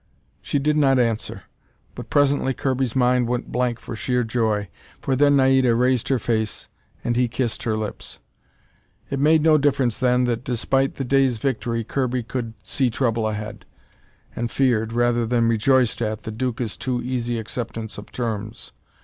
She did not answer. But presently Kirby's mind went blank for sheer joy. For then Naida raised her face, and he kissed her lips. It made no difference then that, despite the day's victory, Kirby could see trouble ahead, and feared, rather than rejoiced at, the Duca's too easy acceptance of terms.